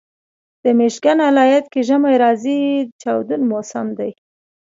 د میشیګن ایالت کې ژمی زارې چاودون موسم دی.